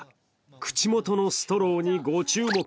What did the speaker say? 口元のストローにご注目。